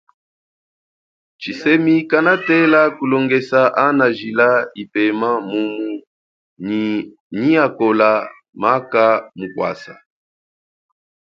Tshisemi kanatela kulongesa ana jila ipema mumu nyi akola maka mukwasa.